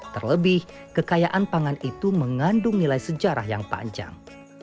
terlebih kekayaan pangan itu mengandung nilai sejarah yang panjang